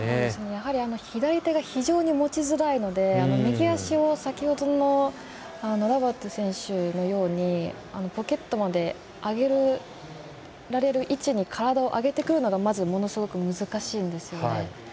やはり左手が非常に持ちづらいので右足を先ほどのラバトゥ選手のようにポケットまで上げられる位置に体を上げてくるのがまず、ものすごく難しいんですね。